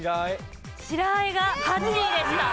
白和えが８位でした。